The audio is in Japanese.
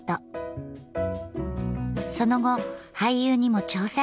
その後俳優にも挑戦。